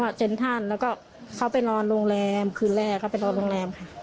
เซ็นทันแล้วก็เขาไปนอนโรงแรมคืนแรกเขาไปนอนโรงแรมค่ะ